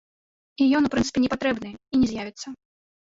І ён, у прынцыпе, не патрэбны, і не з'явіцца.